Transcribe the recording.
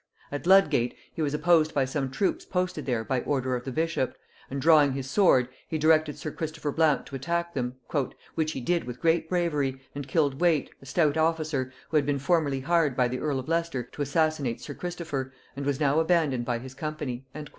At Ludgate he was opposed by some troops posted there by order of the bishop; and drawing his sword, he directed sir Christopher Blount to attack them; "which he did with great bravery, and killed Waite, a stout officer, who had been formerly hired by the earl of Leicester to assassinate sir Christopher, and was now abandoned by his company."